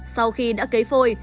sau khi đã kế phôi